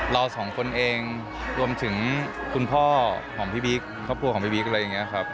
เราสองคนเองรวมถึงคุณพ่อของพี่บิ๊กครอบครัวของพี่บิ๊กอะไรอย่างนี้ครับ